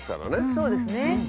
そうですね。